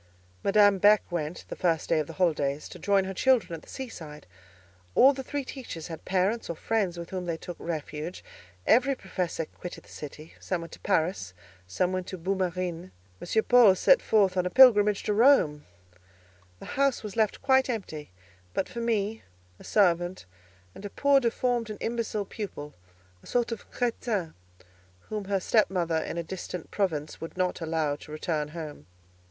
Madame Beck went, the first day of the holidays, to join her children at the sea side; all the three teachers had parents or friends with whom they took refuge; every professor quitted the city; some went to Paris, some to Boue Marine; M. Paul set forth on a pilgrimage to Rome; the house was left quite empty, but for me, a servant, and a poor deformed and imbecile pupil, a sort of crétin, whom her stepmother in a distant province would not allow to return home.